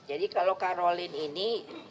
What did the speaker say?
jadi kalau karolin ini